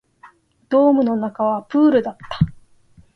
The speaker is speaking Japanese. ドームの中はプールだった